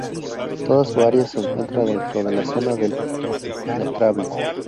Toda su área se encuentra dentro de la zona de El Impenetrable.